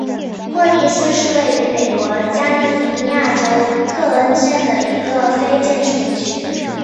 霍利斯是位于美国加利福尼亚州克恩县的一个非建制地区。